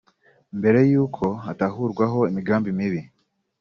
Mbere y’uko atahurwaho imigambi mibi